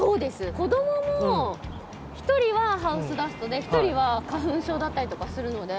子どもも１人はハウスダストで１人は花粉症だったりとかするので。